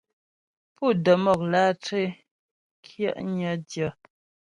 Pú də́ mɔk lǎtré kyɛ'nyə dyə.